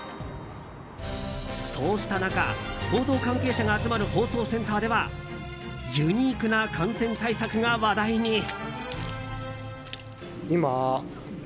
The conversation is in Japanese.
そうした中、報道関係者が集まる放送センターではユニークな感染対策が話題に。